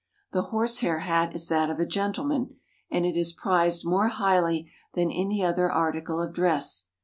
The horsehair hat is that of a gentleman, and it is prized more highly than any other article of dress.